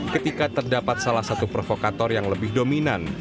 ketika terdapat salah satu provokator yang lebih dominan